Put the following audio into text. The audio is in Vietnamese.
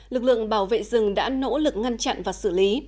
lực lượng bảo vệ rừng đã nỗ lực ngăn chặn và xử lý